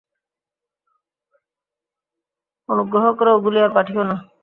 অনুগ্রহ করে ওগুলি আর পাঠিও না।